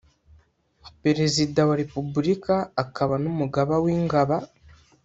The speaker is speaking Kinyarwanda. perezida wa repubulika akaba n umugaba wingaba